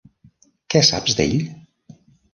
Què saps d'ell?